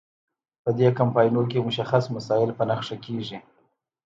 په دې کمپاینونو کې مشخص مسایل په نښه کیږي.